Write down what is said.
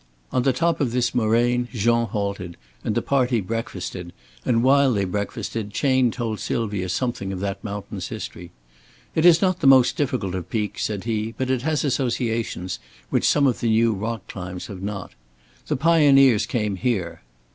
On the top of this moraine Jean halted, and the party breakfasted, and while they breakfasted Chayne told Sylvia something of that mountain's history. "It is not the most difficult of peaks," said he, "but it has associations, which some of the new rock climbs have not. The pioneers came here."